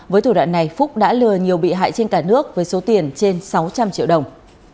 với thủ đoạn này phúc đã lừa nhiều bị hại trên cả nước với số tiền trên sáu trăm linh triệu đồng